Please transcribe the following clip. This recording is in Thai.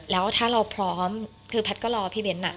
แล้วถ้าเราพร้อมคือแพทย์ก็รอพี่เบ้น